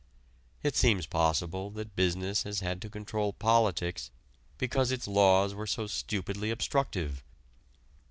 It seems possible that business has had to control politics because its laws were so stupidly obstructive.